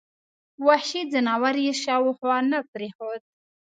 وحشي ځناور یې شاوخوا نه پرېښود.